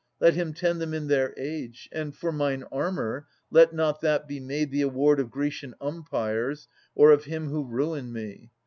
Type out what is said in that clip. Let him tend them in their age. And, for mine armour, let not that be made The award of Grecian umpires or of him Who ruined me.